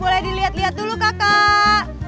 boleh dilihat lihat dulu kakak